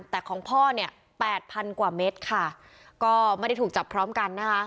แต่ของพ่อเนี่ยแปดพันกว่าเมตรค่ะก็ไม่ได้ถูกจับพร้อมกันนะคะ